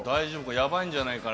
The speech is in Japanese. やばいんじゃないかな？